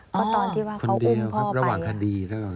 ก็ตอนที่ว่าเขาอุ้มพ่อไป